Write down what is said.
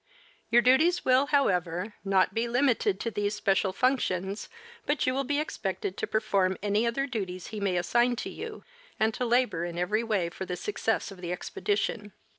Your duties will, however, not be limited to these special functions, but you will be expected to perform any other duties he may assign to you, and to labor in every way for the success of the expedition.